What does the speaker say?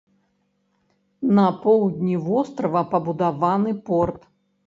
На поўдні вострава пабудаваны порт.